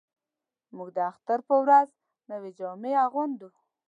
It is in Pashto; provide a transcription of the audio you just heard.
موږ د اختر په ورځ نوې جامې اغوندو